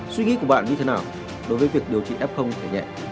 suy nghĩ của bạn như thế nào đối với việc điều trị f phải nhẹ